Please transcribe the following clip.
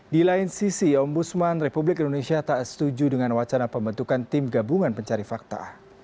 di lain sisi ombudsman republik indonesia tak setuju dengan wacana pembentukan tim gabungan pencari fakta